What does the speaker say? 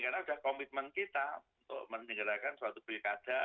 karena sudah komitmen kita untuk mengerjakan suatu pilkada